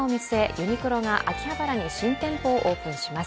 ユニクロが秋葉原に新店舗をオープンします。